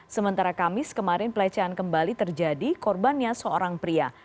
sementara kamis kemarin pelecehan kembali terjadi korbannya seorang pria